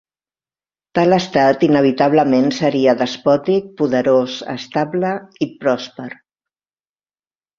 Tal estat inevitablement seria despòtic, poderós, estable i pròsper.